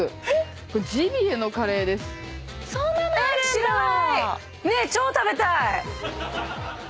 知らない！